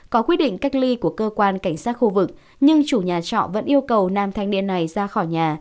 có quyết định cách ly của cơ quan cảnh sát khu vực nhưng chủ nhà trọ vẫn yêu cầu nam thanh niên này ra khỏi nhà